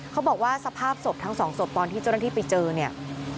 เขาบอกว่าสภาพศพทั้ง๒ศพตอนที่เจ้านักที่ไปเจอเนี่ย